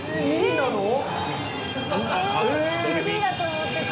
１位だと思ってた。